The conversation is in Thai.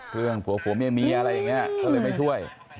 เรื่องผัวเค้าโม่งเขาไม่ช่วย